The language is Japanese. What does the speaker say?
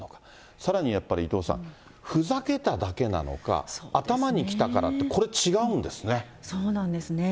さらにやっぱり、伊藤さん、ふざけただけなのか、頭に来たからっそうなんですね。